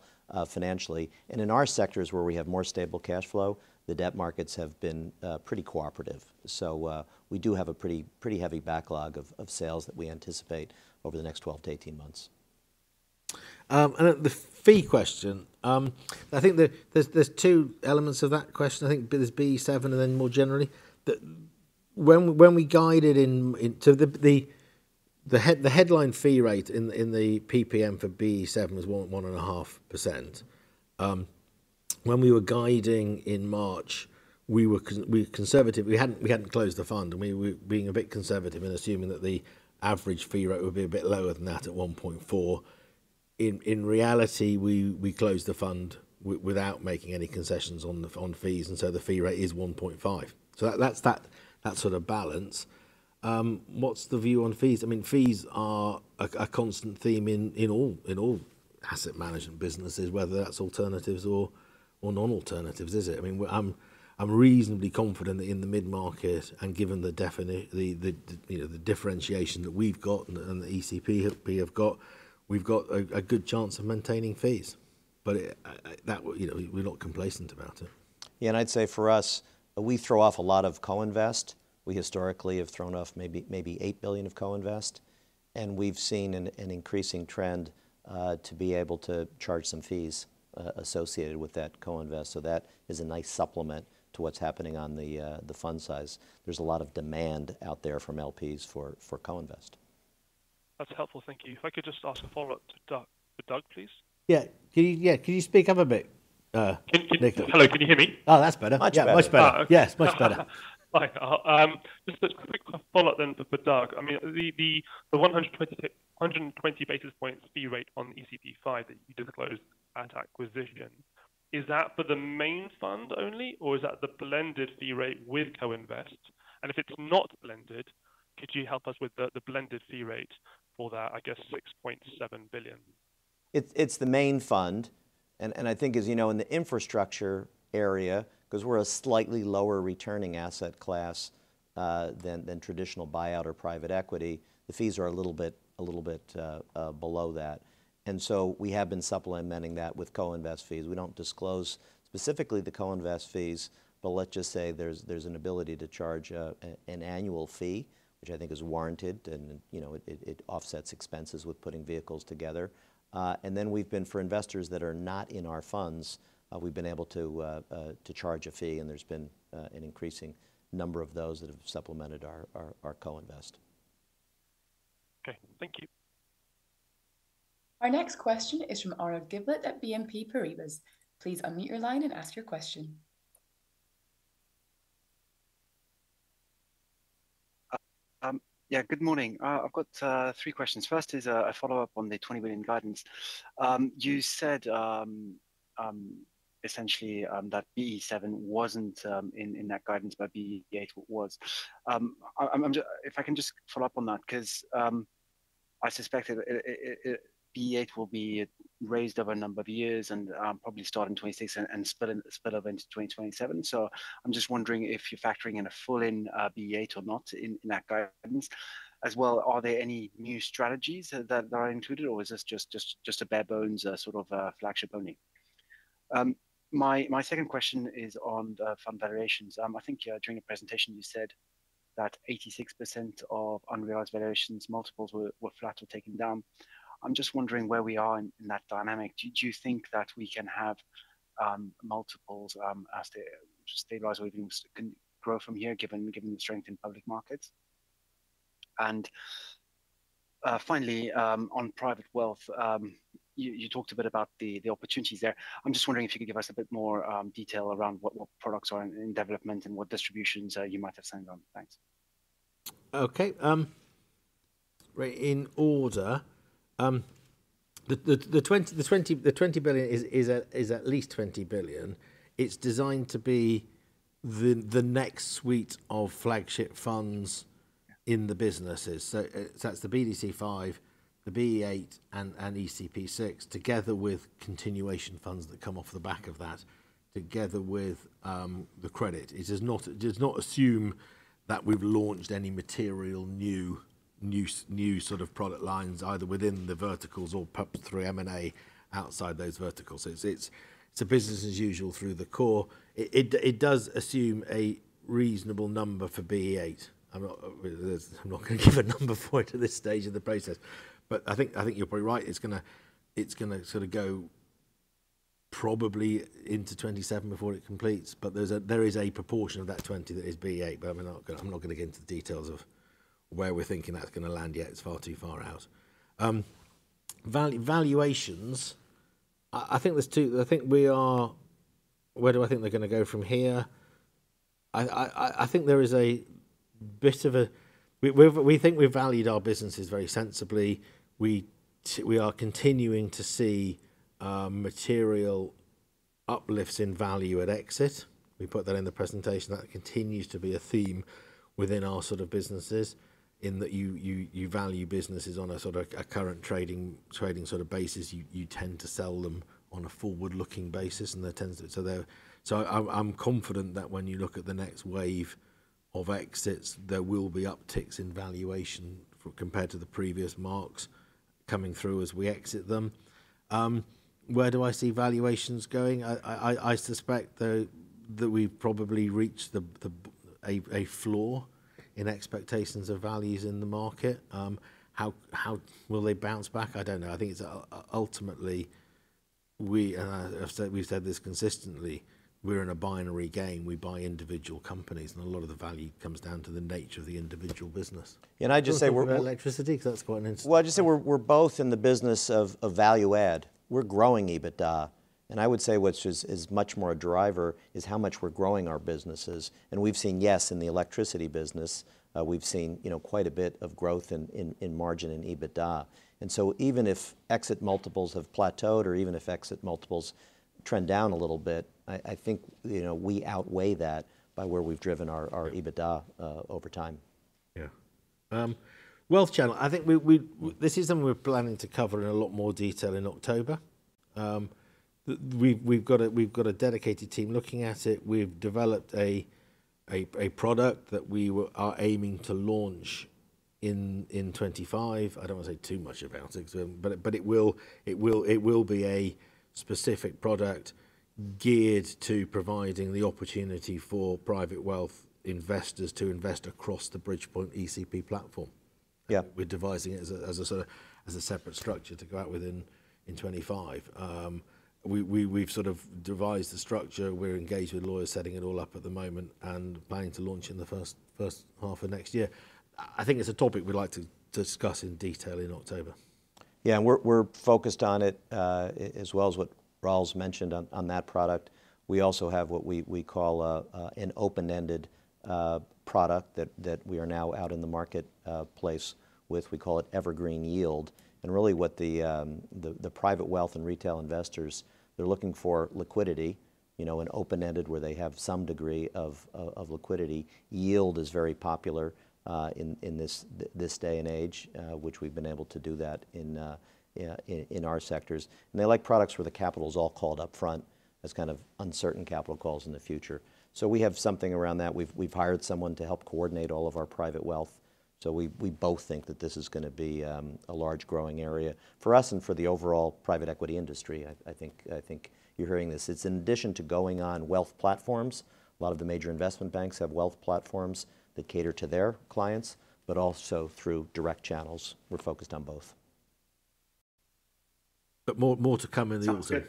financially. And in our sectors where we have more stable cash flow, the debt markets have been pretty cooperative. So we do have a pretty heavy backlog of sales that we anticipate over the next 12-18 months. The fee question, I think there's two elements of that question. I think there's BE VII and then more generally. When we guided into the headline fee rate in the PPM for BE VII was 1.5%. When we were guiding in March, we were conservative. We hadn't closed the fund. We were being a bit conservative and assuming that the average fee rate would be a bit lower than that at 1.4%. In reality, we closed the fund without making any concessions on fees, and so the fee rate is 1.5%. So that's that sort of balance. What's the view on fees? I mean, fees are a constant theme in all asset management businesses, whether that's alternatives or non-alternatives, is it? I mean, I'm reasonably confident that in the mid-market and given the differentiation that we've got and the ECP have got, we've got a good chance of maintaining fees. But we're not complacent about it. Yeah. And I'd say for us, we throw off a lot of co-investment. We historically have thrown off maybe $8 billion of co-investment. We've seen an increasing trend to be able to charge some fees associated with that co-investment. So that is a nice supplement to what's happening on the fund size. There's a lot of demand out there from LPs for co-investment. That's helpful. Thank you. If I could just ask a follow-up to Doug, please. Yeah. Can you speak up a bit? Hello. Can you hear me? Oh, that's better. Much better. Yes, much better. Just a quick follow-up then for Doug. I mean, the 120 basis points fee rate on ECP5 that you disclosed at acquisition, is that for the main fund only, or is that the blended fee rate with co-investment? If it's not blended, could you help us with the blended fee rate for that, I guess, $6.7 billion? It's the main fund. I think, as you know, in the infrastructure area, because we're a slightly lower returning asset class than traditional buyout or private equity, the fees are a little bit below that. And so we have been supplementing that with co-invest fees. We don't disclose specifically the co-invest fees, but let's just say there's an ability to charge an annual fee, which I think is warranted, and it offsets expenses with putting vehicles together. And then for investors that are not in our funds, we've been able to charge a fee, and there's been an increasing number of those that have supplemented our co-invest. Okay. Thank you. Our next question is from Arnaud Giblat at BNP Paribas. Please unmute your line and ask your question. Yeah. Good morning. I've got three questions. First is a follow-up on the $20 billion guidance. You said essentially that BE wasn't in that guidance, but BE8 was. If I can just follow up on that, because I suspect BE8 will be raised over a number of years and probably start in 2026 and spill over into 2027. So I'm just wondering if you're factoring in a full-in BE8 or not in that guidance. As well, are there any new strategies that are included, or is this just a bare bones sort of flagship only? My second question is on the fund valuations. I think during the presentation, you said that 86% of unrealized valuations multiples were flat or taken down. I'm just wondering where we are in that dynamic. Do you think that we can have multiples as they stabilize or even grow from here given the strength in public markets? And finally, on private wealth, you talked a bit about the opportunities there. I'm just wondering if you could give us a bit more detail around what products are in development and what distributions you might have signed on. Thanks. Okay. In order, the $20 billion is at least $20 billion. It's designed to be the next suite of flagship funds in the businesses. So that's the BDC V, the BE8, and ECP6, together with continuation funds that come off the back of that, together with the credit. It does not assume that we've launched any material new sort of product lines either within the verticals or perhaps through M&A outside those verticals. It's a business as usual through the core. It does assume a reasonable number for BE8. I'm not going to give a number for it at this stage of the process. But I think you're probably right. It's going to sort of go probably into 2027 before it completes. But there is a proportion of that $20 that is BE8. But I'm not going to get into the details of where we're thinking that's going to land yet. It's far too far out. Valuations, I think we are where do I think they're going to go from here? I think there is a bit of a we think we've valued our businesses very sensibly. We are continuing to see material uplifts in value at exit. We put that in the presentation. That continues to be a theme within our sort of businesses in that you value businesses on a sort of current trading sort of basis. You tend to sell them on a forward-looking basis. So I'm confident that when you look at the next wave of exits, there will be upticks in valuation compared to the previous marks coming through as we exit them. Where do I see valuations going? I suspect that we've probably reached a floor in expectations of values in the market. How will they bounce back? I don't know. I think ultimately, we've said this consistently, we're in a binary game. We buy individual companies, and a lot of the value comes down to the nature of the individual business. Can I just say we're- Electricity? Because that's quite an interesting- Well, I just say we're both in the business of value-add. We're growing EBITDA. And I would say what is much more a driver is how much we're growing our businesses. We've seen, yes, in the electricity business, we've seen quite a bit of growth in margin and EBITDA. So even if exit multiples have plateaued or even if exit multiples trend down a little bit, I think we outweigh that by where we've driven our EBITDA over time. Yeah. Wealth Channel, I think this is something we're planning to cover in a lot more detail in October. We've got a dedicated team looking at it. We've developed a product that we are aiming to launch in 2025. I don't want to say too much about it, but it will be a specific product geared to providing the opportunity for private wealth investors to invest across the Bridgepoint ECP platform. We're devising it as a separate structure to go out within 2025. We've sort of devised the structure. We're engaged with lawyers setting it all up at the moment and planning to launch in the first half of next year. I think it's a topic we'd like to discuss in detail in October. Yeah. And we're focused on it as well as what Raoul's mentioned on that product. We also have what we call an open-ended product that we are now out in the marketplace with. We call it Evergreen Yield. And really, what the private wealth and retail investors, they're looking for liquidity, an open-ended where they have some degree of liquidity. Yield is very popular in this day and age, which we've been able to do that in our sectors. And they like products where the capital is all called upfront. That's kind of uncertain capital calls in the future. So we have something around that. We've hired someone to help coordinate all of our private wealth. So we both think that this is going to be a large growing area for us and for the overall private equity industry. I think you're hearing this. It's in addition to going on wealth platforms. A lot of the major investment banks have wealth platforms that cater to their clients, but also through direct channels. We're focused on both. But more to come in the autumn. Sounds good.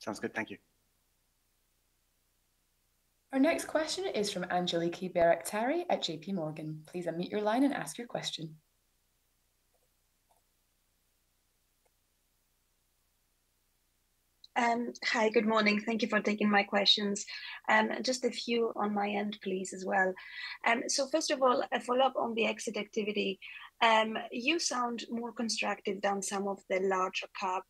Sounds good. Thank you. Our next question is from Angeliki Bairaktari at JPMorgan. Please unmute your line and ask your question. Hi. Good morning. Thank you for taking my questions. Just a few on my end, please, as well. So first of all, a follow-up on the exit activity. You sound more constructive than some of the large-cap,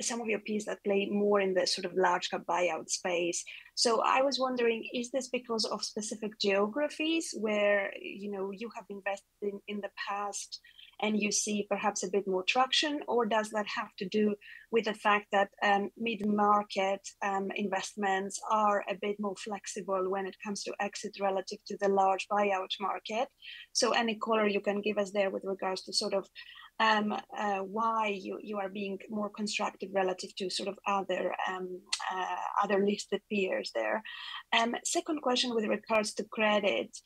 some of your peers that play more in the sort of large-cap buyout space. So I was wondering, is this because of specific geographies where you have invested in the past and you see perhaps a bit more traction, or does that have to do with the fact that mid-market investments are a bit more flexible when it comes to exit relative to the large buyout market? So any color you can give us there with regards to sort of why you are being more constructive relative to sort of other listed peers there. Second question with regards to credit.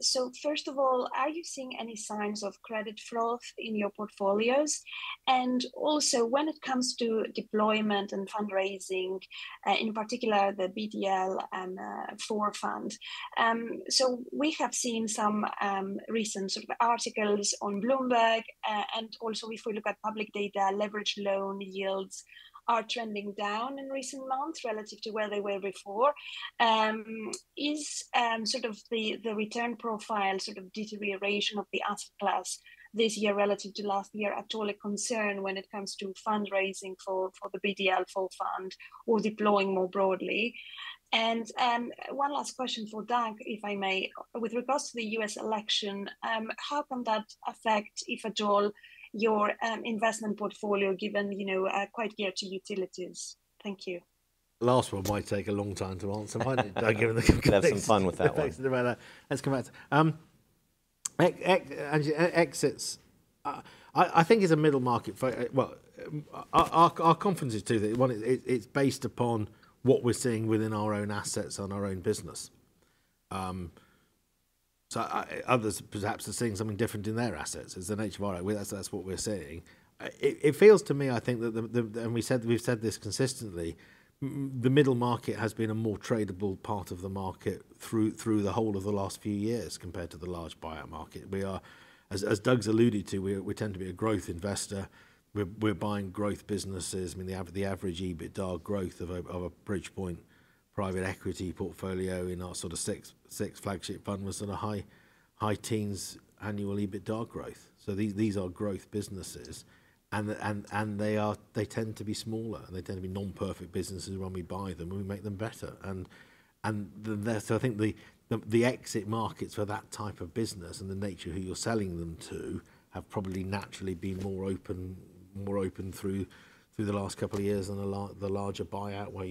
So first of all, are you seeing any signs of credit flows in your portfolios? And also, when it comes to deployment and fundraising, in particular the BDC IV fund, so we have seen some recent sort of articles on Bloomberg. And also, if we look at public data, leveraged loan yields are trending down in recent months relative to where they were before. Is sort of the return profile sort of deterioration of the asset class this year relative to last year at all a concern when it comes to fundraising for the BDC IV fund or deploying more broadly? And one last question for Doug, if I may. With regards to the U.S. election, how can that affect, if at all, your investment portfolio given quite geared to utilities? Thank you. Last one might take a long time to answer, might it? Doug, given the context. Let's have some fun with that one. Let's come back to exits. I think it's a Middle Market. Well, our conference is too. It's based upon what we're seeing within our own assets on our own business. So others perhaps are seeing something different in their assets. As an, that's what we're seeing. It feels to me, I think, that we've said this consistently, the Middle Market has been a more tradable part of the market through the whole of the last few years compared to the large buyout market. As Doug's alluded to, we tend to be a growth investor. We're buying growth businesses. I mean, the average EBITDA growth of a Bridgepoint private equity portfolio in our sort of VI flagship fund was sort of high teens annual EBITDA growth. So these are growth businesses. And they tend to be smaller. They tend to be non-perfect businesses when we buy them. We make them better. And so I think the exit markets for that type of business and the nature of who you're selling them to have probably naturally been more open through the last couple of years than the larger buyout where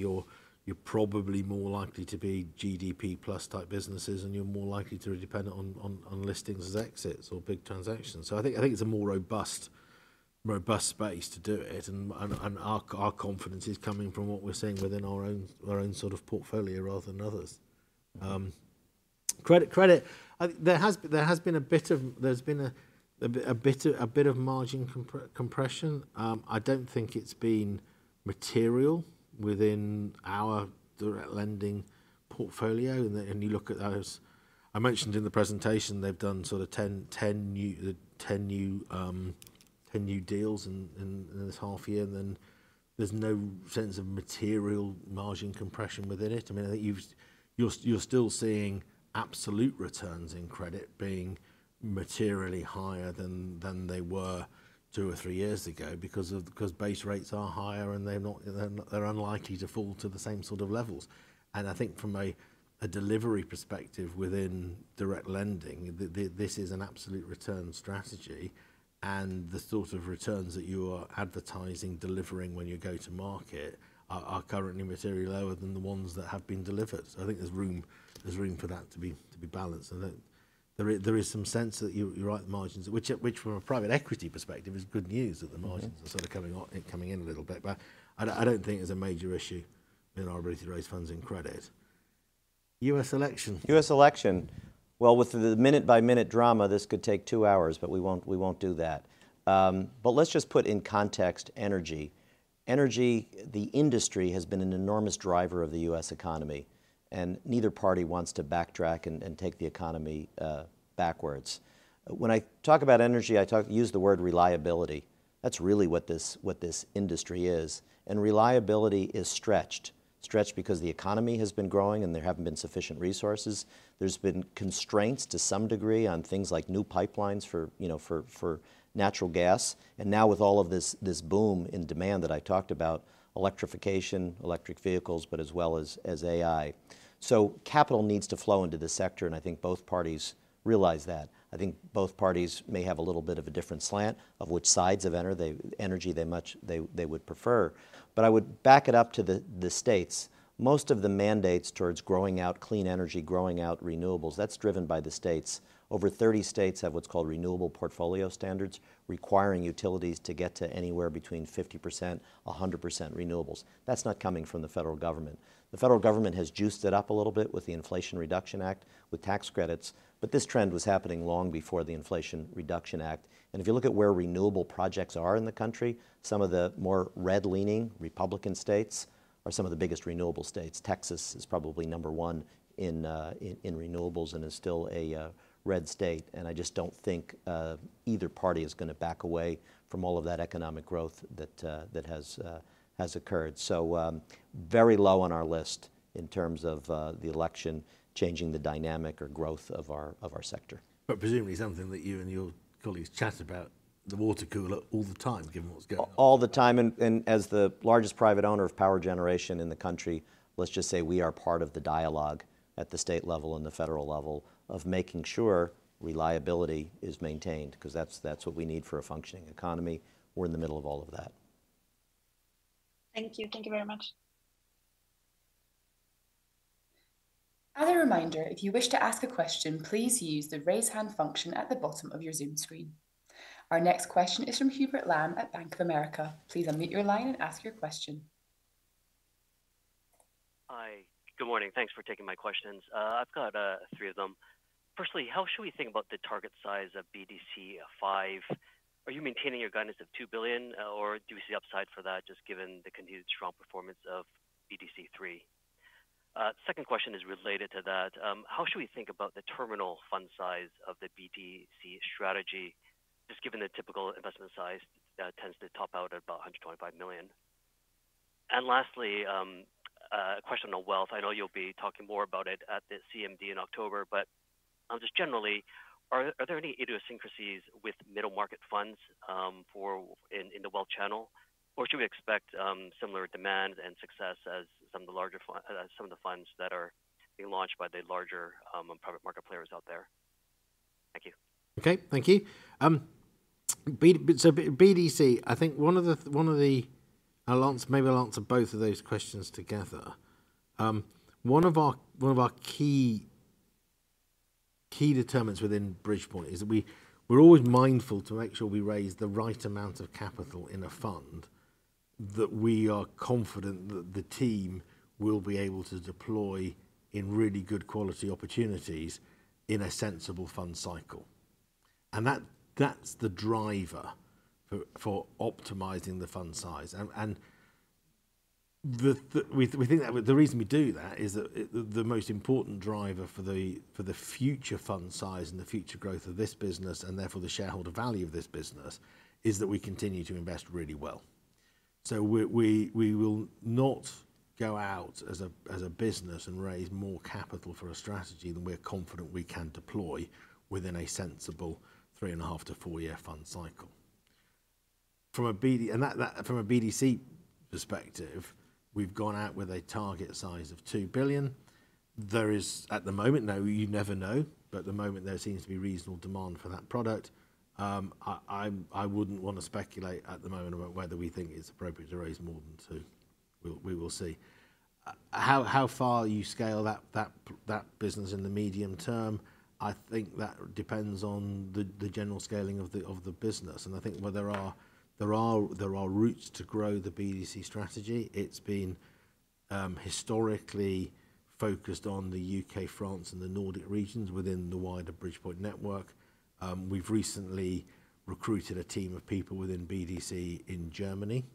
you're probably more likely to be GDP-plus type businesses and you're more likely to be dependent on listings as exits or big transactions. So I think it's a more robust space to do it. And our confidence is coming from what we're seeing within our own sort of portfolio rather than others. Credit, there has been a bit of margin compression. I don't think it's been material within our direct lending portfolio. And you look at those, I mentioned in the presentation, they've done sort of 10 new deals in this half year, and then there's no sense of material margin compression within it. I mean, you're still seeing absolute returns in credit being materially higher than they were two or three years ago because base rates are higher and they're unlikely to fall to the same sort of levels. And I think from a delivery perspective within direct lending, this is an absolute return strategy. And the sort of returns that you are advertising, delivering when you go to market are currently materially lower than the ones that have been delivered. So I think there's room for that to be balanced. There is some sense that you're right, the margins, which from a private equity perspective is good news that the margins are sort of coming in a little bit. But I don't think there's a major issue in our ability to raise funds in credit. U.S. election. U.S. election. Well, with the minute-by-minute drama, this could take two hours, but we won't do that. But let's just put in context energy. Energy, the industry has been an enormous driver of the U.S. economy. Neither party wants to backtrack and take the economy backwards. When I talk about energy, I use the word reliability. That's really what this industry is. Reliability is stretched. Stretched because the economy has been growing and there haven't been sufficient resources. There's been constraints to some degree on things like new pipelines for natural gas. Now with all of this boom in demand that I talked about, electrification, electric vehicles, but as well as AI. So capital needs to flow into this sector. Both parties realize that. Both parties may have a little bit of a different slant of which sides of energy they would prefer. But I would back it up to the states. Most of the mandates towards growing out clean energy, growing out renewables, that's driven by the states. Over 30 states have what's called renewable portfolio standards requiring utilities to get to anywhere between 50%-100% renewables. That's not coming from the federal government. The federal government has juiced it up a little bit with the Inflation Reduction Act, with tax credits. But this trend was happening long before the Inflation Reduction Act. And if you look at where renewable projects are in the country, some of the more red-leaning Republican states are some of the biggest renewable states. Texas is probably number one in renewables and is still a red state. And I just don't think either party is going to back away from all of that economic growth that has occurred. So very low on our list in terms of the election changing the dynamic or growth of our sector. But presumably something that you and your colleagues chat about, the water cooler all the time, given what's going on. All the time. And as the largest private owner of power generation in the country, let's just say we are part of the dialogue at the state level and the federal level of making sure reliability is maintained because that's what we need for a functioning economy. We're in the middle of all of that. Thank you. Thank you very much. As a reminder, if you wish to ask a question, please use the raise hand function at the bottom of your Zoom screen. Our next question is from Hubert Lam at Bank of America. Please unmute your line and ask your question. Hi. Good morning. Thanks for taking my questions. I've got three of them. Firstly, how should we think about the target size of BDC V? Are you maintaining your guidance of 2 billion, or do we see upside for that just given the continued strong performance of BDC III? Second question is related to that. How should we think about the terminal fund size of the BDC strategy, just given the typical investment size that tends to top out at about 125 million? And lastly, a question on wealth. I know you'll be talking more about it at the CMD in October, but just generally, are there any idiosyncrasies with middle market funds in the wealth channel, or should we expect similar demand and success as some of the larger funds that are being launched by the larger private market players out there? Thank you. Okay. Thank you. So BDC, I think. I'll answer both of those questions together. One of our key determinants within Bridgepoint is that we're always mindful to make sure we raise the right amount of capital in a fund that we are confident that the team will be able to deploy in really good quality opportunities in a sensible fund cycle. And that's the driver for optimizing the fund size. And we think that the reason we do that is that the most important driver for the future fund size and the future growth of this business, and therefore the shareholder value of this business, is that we continue to invest really well. So we will not go out as a business and raise more capital for a strategy than we're confident we can deploy within a sensible 3.5-4-year fund cycle. From a BDC perspective, we've gone out with a target size of 2 billion. There is, at the moment, now, you never know, but at the moment, there seems to be reasonable demand for that product. I wouldn't want to speculate at the moment about whether we think it's appropriate to raise more than 2 billion. We will see. How far you scale that business in the medium term, I think that depends on the general scaling of the business. And I think there are routes to grow the BDC strategy. It's been historically focused on the U.K., France, and the Nordic regions within the wider Bridgepoint network. We've recently recruited a team of people within BDC in Germany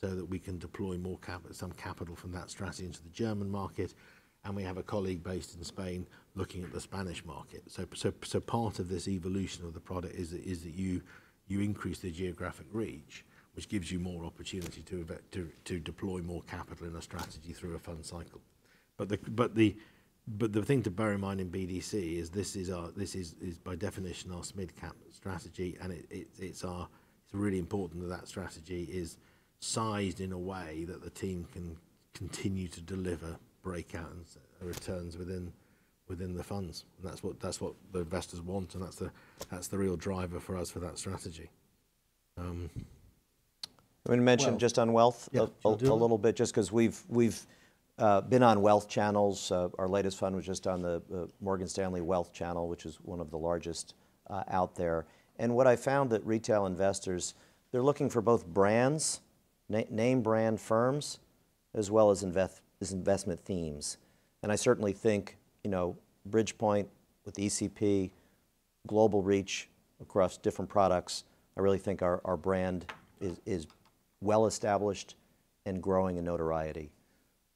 so that we can deploy some capital from that strategy into the German market. And we have a colleague based in Spain looking at the Spanish market. So part of this evolution of the product is that you increase the geographic reach, which gives you more opportunity to deploy more capital in a strategy through a fund cycle. But the thing to bear in mind in BDC is this is, by definition, our mid-cap strategy. And it's really important that that strategy is sized in a way that the team can continue to deliver breakout returns within the funds. And that's what the investors want. And that's the real driver for us for that strategy. I'm going to mention just on wealth a little bit, just because we've been on wealth channels. Our latest fund was just on the Morgan Stanley wealth channel, which is one of the largest out there. And what I found that retail investors, they're looking for both brands, name brand firms, as well as investment themes. And I certainly think Bridgepoint with ECP, global reach across different products, I really think our brand is well established and growing in notoriety.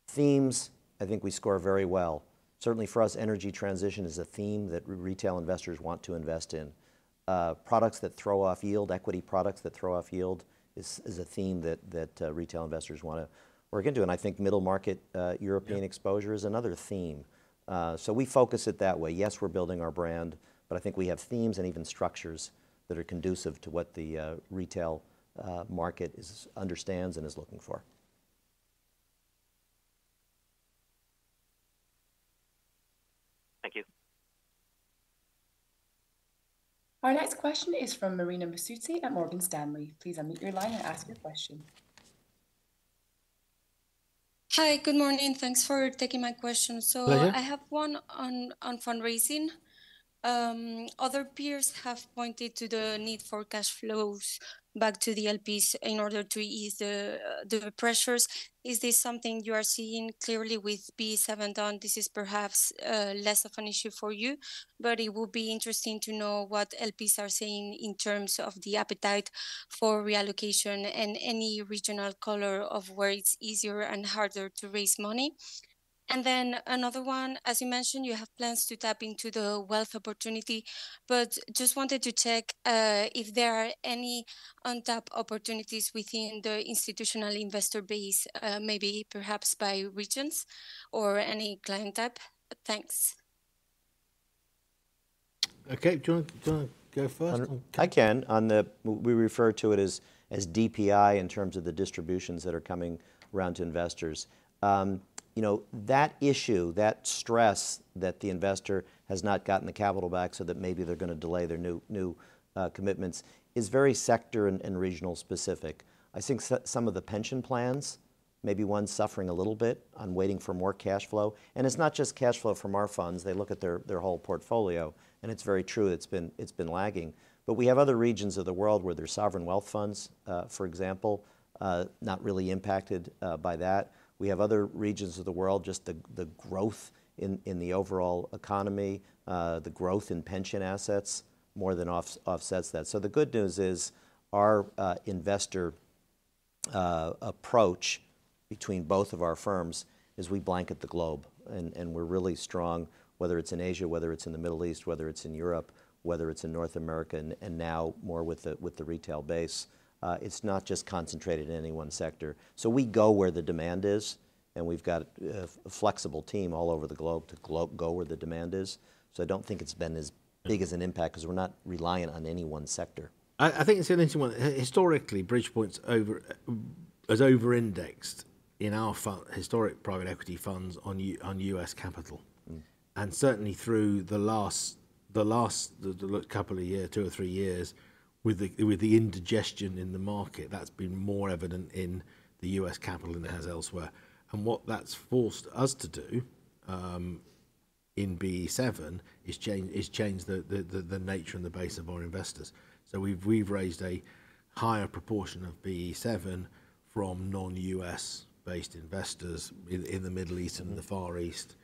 Themes, I think we score very well. Certainly for us, energy transition is a theme that retail investors want to invest in. Products that throw off yield, equity products that throw off yield is a theme that retail investors want to work into. And I think middle market European exposure is another theme. So we focus it that way. Yes, we're building our brand, but I think we have themes and even structures that are conducive to what the retail market understands and is looking for. Thank you. Our next question is from Marina Matsi at Morgan Stanley. Please unmute your line and ask your question. Hi. Good morning. Thanks for taking my question. So I have one on fundraising. Other peers have pointed to the need for cash flows back to the LPs in order to ease the pressures. Is this something you are seeing clearly with BE VII done? This is perhaps less of an issue for you, but it would be interesting to know what LPs are saying in terms of the appetite for reallocation and any regional color of where it's easier and harder to raise money. And then another one, as you mentioned, you have plans to tap into the wealth opportunity, but just wanted to check if there are any untapped opportunities within the institutional investor base, maybe perhaps by regions or any client type. Thanks. Okay. Do you want to go first? I can. We refer to it as DPI in terms of the distributions that are coming around to investors. That issue, that stress that the investor has not gotten the capital back so that maybe they're going to delay their new commitments is very sector and regional specific. I think some of the pension plans, maybe one's suffering a little bit on waiting for more cash flow. And it's not just cash flow from our funds. They look at their whole portfolio. And it's very true. It's been lagging. But we have other regions of the world where there's sovereign wealth funds, for example, not really impacted by that. We have other regions of the world, just the growth in the overall economy, the growth in pension assets more than offsets that. So the good news is our investor approach between both of our firms is we blanket the globe. We're really strong, whether it's in Asia, whether it's in the Middle East, whether it's in Europe, whether it's in North America, and now more with the retail base. It's not just concentrated in any one sector. We go where the demand is. We've got a flexible team all over the globe to go where the demand is. I don't think it's been as big an impact because we're not reliant on any one sector. I think it's an interesting one. Historically, Bridgepoint is over-indexed in our historic private equity funds on U.S. capital. Certainly through the last couple of years, two or three years, with the indigestion in the market, that's been more evident in the U.S. capital than it has elsewhere. What that's forced us to do in B7 is change the nature and the base of our investors. So we've raised a higher proportion of B7 from non-U.S.-based investors in the Middle East and the Far East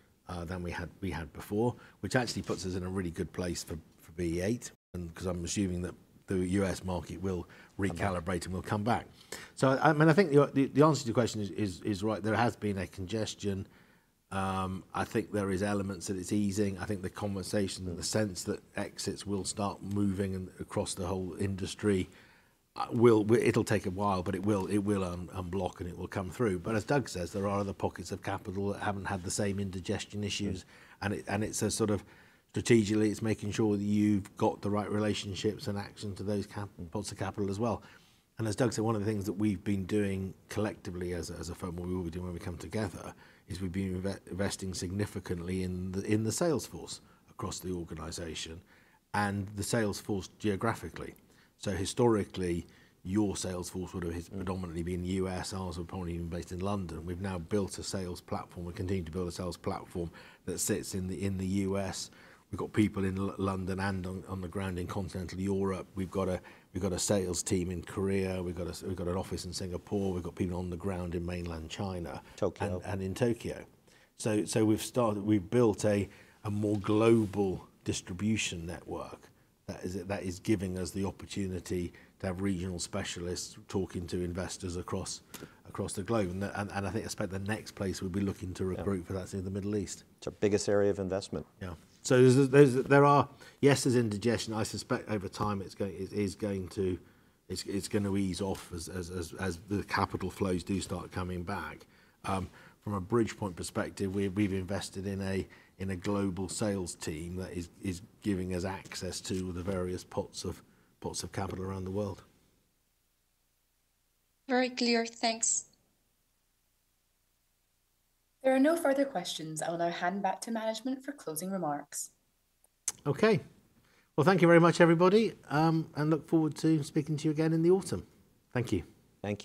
than we had before, which actually puts us in a really good place for B VIII. And because I'm assuming that the U.S. market will recalibrate and will come back. So I mean, I think the answer to your question is right. There has been a congestion. I think there are elements that it's easing. I think the conversation and the sense that exits will start moving across the whole industry. It'll take a while, but it will unblock and it will come through. But as Doug says, there are other pockets of capital that haven't had the same indigestion issues. And it's a sort of strategically, it's making sure that you've got the right relationships and access to those parts of capital as well. As Doug said, one of the things that we've been doing collectively as a firm, what we will be doing when we come together, is we've been investing significantly in the sales force across the organization and the sales force geographically. So historically, your sales force would have predominantly been U.S. Ours would probably have been based in London. We've now built a sales platform. We continue to build a sales platform that sits in the U.S. We've got people in London and on the ground in continental Europe. We've got a sales team in Korea. We've got an office in Singapore. We've got people on the ground in mainland China and in Tokyo. So we've built a more global distribution network that is giving us the opportunity to have regional specialists talking to investors across the globe. I think I suspect the next place we'll be looking to recruit for that is in the Middle East. It's our biggest area of investment. Yeah. So there are excesses, indigestion. I suspect over time it's going to ease off as the capital flows do start coming back. From a Bridgepoint perspective, we've invested in a global sales team that is giving us access to the various pots of capital around the world. Very clear. Thanks. There are no further questions. I'll now hand back to management for closing remarks. Okay. Well, thank you very much, everybody. And look forward to speaking to you again in the autumn. Thank you. Thank you.